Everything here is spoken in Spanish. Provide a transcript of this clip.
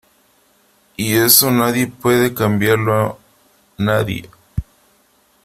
y eso nadie puede cambiarlo , nadie .